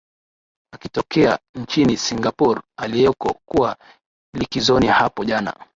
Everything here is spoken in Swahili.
akitokea nchini singapore aliyeko kuwa likizoni hapo jana